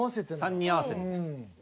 ３人合わせてです。